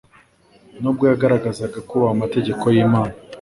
N’ubwo yagaragazaga kubaha amategeko y’Imana,